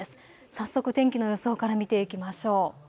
早速、天気の予想から見ていきましょう。